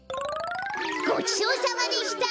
ごちそうさまでした！